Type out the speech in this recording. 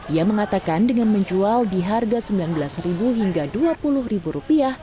ia mengatakan dengan menjual di harga rp sembilan belas hingga rp dua puluh